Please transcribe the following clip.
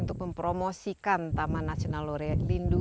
untuk mempromosikan taman nasional lore lindu